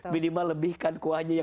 minimal lebihkan kuahnya